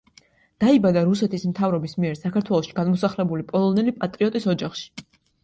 დაიბადა რუსეთის მთავრობის მიერ საქართველოში გადმოსახლებული პოლონელი პატრიოტის ოჯახში.